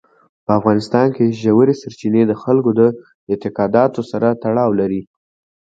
په افغانستان کې ژورې سرچینې د خلکو د اعتقاداتو سره تړاو لري.